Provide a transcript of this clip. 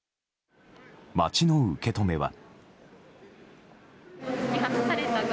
街の受け止めは。